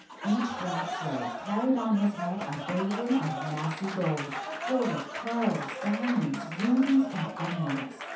Each black slave carried on his head a basin of massy gold, full of pearls, diamonds, rubies, and emeralds.